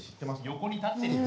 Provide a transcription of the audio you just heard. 「横に立ってるよ」。